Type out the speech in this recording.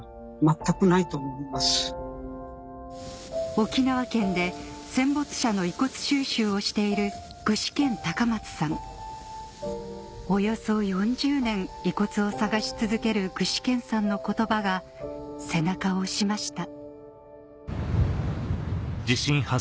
沖縄県で戦没者の遺骨収集をしているおよそ４０年遺骨を捜し続ける具志堅さんの言葉が背中を押しました